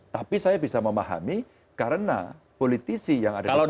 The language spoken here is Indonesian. tapi saya bisa memahami karena politisi yang ada di indonesia